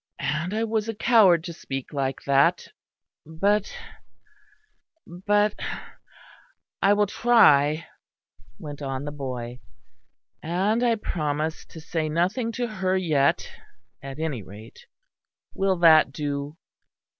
"And I was a coward to speak like that but, but I will try," went on the boy. "And I promise to say nothing to her yet, at any rate. Will that do?